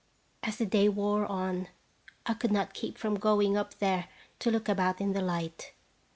As the day wore on, 1 could not keep from going up there to look about in the light.